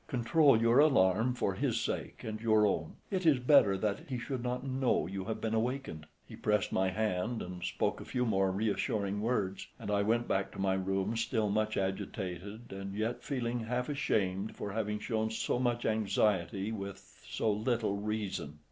Control your alarm for his sake and your own. It is better that he should not know you have been awakened." He pressed my hand and spoke a few more reassuring words, and I went back to my room still much agitated, and yet feeling half ashamed for having shown so much anxiety with so little reason.